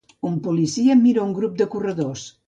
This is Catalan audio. Un policia mira un grup de corredors.